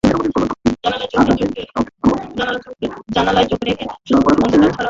জানালায় চোখ রেখে স্তুপিকৃত অন্ধকার ছাড়া ভেতরে অবশ্য কিছুই দেখতে পাননি সেদিন।